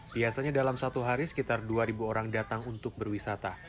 biasanya dalam satu hari sekitar dua orang datang untuk berwisata